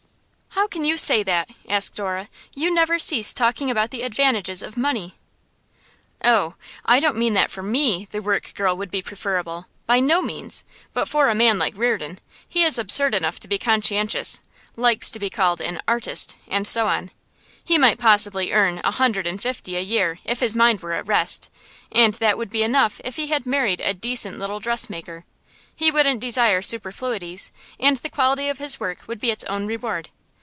'How can you say that?' asked Dora. 'You never cease talking about the advantages of money.' 'Oh, I don't mean that for ME the work girl would be preferable; by no means; but for a man like Reardon. He is absurd enough to be conscientious, likes to be called an "artist," and so on. He might possibly earn a hundred and fifty a year if his mind were at rest, and that would be enough if he had married a decent little dressmaker. He wouldn't desire superfluities, and the quality of his work would be its own reward.